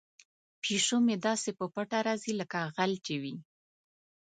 پیشو مې داسې په پټه راځي لکه غل چې وي.